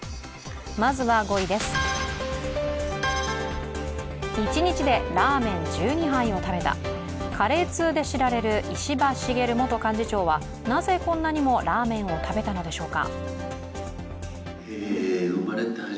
まずは５位です、一日でラーメン１２杯を食べたカレー通で知られる石破茂元幹事長はなぜ、こんなにもラーメンを食べたのでしょうか。